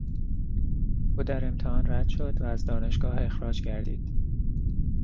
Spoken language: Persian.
او در امتحان رد شد و از دانشگاه اخراج گردید.